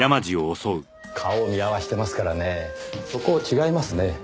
顔を見合わせてますからねぇそこ違いますね。